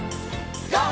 ＧＯ！